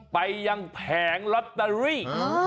ไปยังแผงลอตเตอรี่